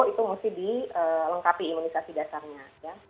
itu harus dilengkapi imunisasi dasarnya